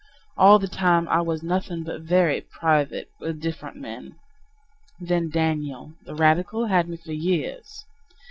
All the time I was nothing but "very private," with different men. Then Daniel, the radical, had me for years.